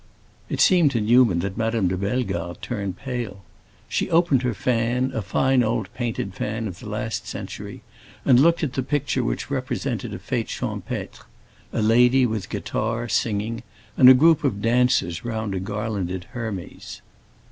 It seemed to Newman that Madame de Bellegarde turned pale. She opened her fan, a fine old painted fan of the last century, and looked at the picture, which represented a fête champêtre—a lady with a guitar, singing, and a group of dancers round a garlanded Hermes.